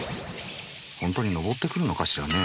ホントに登ってくるのかしらね。